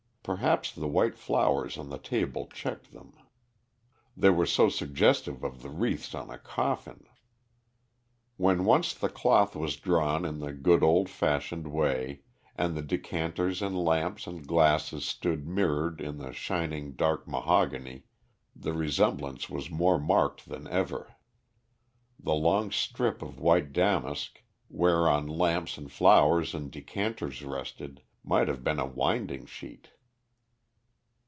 Perhaps the white flowers on the table checked them. They were so suggestive of the wreaths on a coffin. When once the cloth was drawn in the good old fashioned way, and the decanters and lamps and glasses stood mirrored in the shining dark mahogany, the resemblance was more marked than ever. The long strip of white damask, whereon lamps and flowers and decanters rested, might have been a winding sheet.